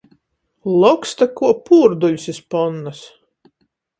Loksta, kuo pūrduļs iz ponnas